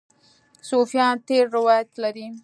صوفیان تېر روایت لري.